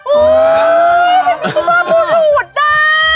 โอ๊ยยยยยยยยแบบมีสุภาพมุนหลุดอ่ะ